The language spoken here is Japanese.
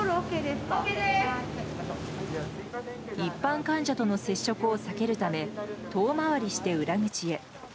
一般患者との接触を避けるため遠回りして裏口へ。